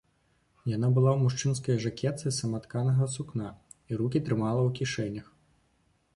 Яна была ў мужчынскай жакетцы з саматканага сукна і рукі трымала ў кішэнях.